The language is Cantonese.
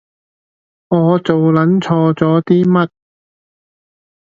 我做撚錯咗啲乜